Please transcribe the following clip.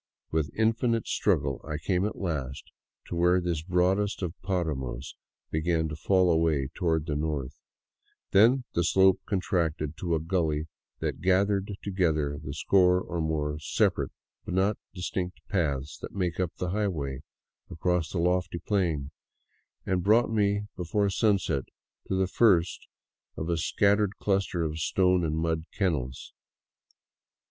With infinite struggle I came at last to where this broadest of paramos began to fall away toward the north; then the slope contracted to a gully that gathered together the score or more of separate but not distinct paths that make up the " highway *' across the lofty plain, and brought me before sunset to the first of a scattered cluster of stone and mud kennels.